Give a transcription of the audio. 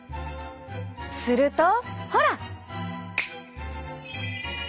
するとほら！